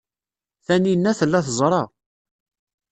Taninna tella teẓra.